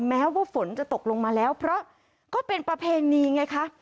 แม้ว่าฝนจะตกลงมาแล้วเพราะก็เป็นประเพณีไงคะ